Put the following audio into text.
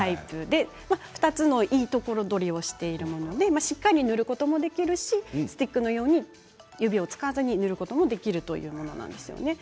２つのいいとこ取りをしているのでしっかり塗ることもできるしスティックのように指を使わずに塗ることができるというものなんですよね。